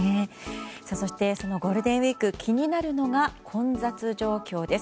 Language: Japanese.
そしてゴールデンウィーク気になるのが混雑状況です。